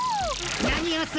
何をする？